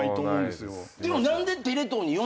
でも。